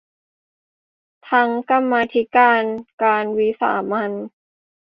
ตั้งกรรมาธิการวิสามัญ